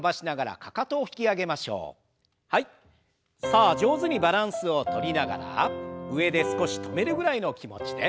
さあ上手にバランスをとりながら上で少し止めるぐらいの気持ちで。